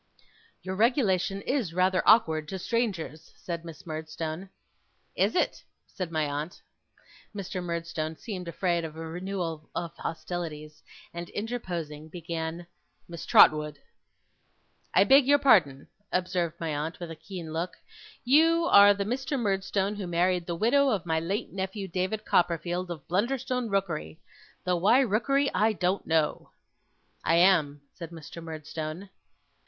'Your regulation is rather awkward to strangers,' said Miss Murdstone. 'Is it!' said my aunt. Mr. Murdstone seemed afraid of a renewal of hostilities, and interposing began: 'Miss Trotwood!' 'I beg your pardon,' observed my aunt with a keen look. 'You are the Mr. Murdstone who married the widow of my late nephew, David Copperfield, of Blunderstone Rookery! Though why Rookery, I don't know!' 'I am,' said Mr. Murdstone.